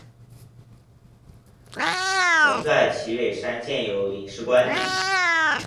同时在旗尾山建有领事官邸。